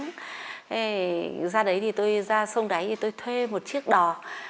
thế ra đấy thì tôi ra sông đấy thì tôi thuê một chiếc đò